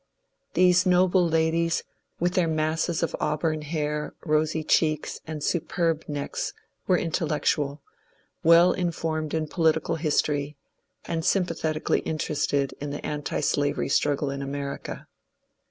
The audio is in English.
These noble ladies, with their masses of auburn hair, rosy cheeks, and superb necks, were intellectual, well informed in political his tory, and sympathetically interested in the antislavery strug gle in America.